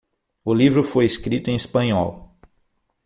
O livro foi escrito em espanhol.